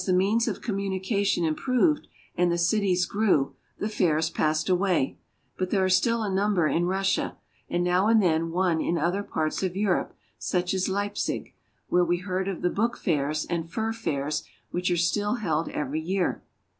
353 means of communication improved and the cities grew, the fairs passed away, but there are still a number in Russia, and now and then one in other parts of Europe, such as Leipsig, where we heard of the book fairs and fur fairs which are still held every year.